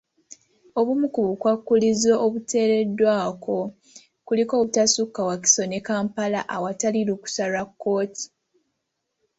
Obumu ku bukwakkulizo obuteereddwako kuliko obutasukka Wakiso ne Kampala awatali lukusa lwa kkooti.